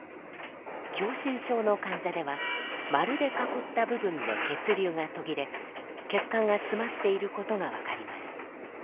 狭心症の患者では丸で囲った部分で血流が途切れ血管が詰まっていることが分かります。